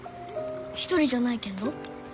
一人じゃないけんど。